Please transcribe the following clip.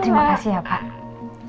terima kasih ya pak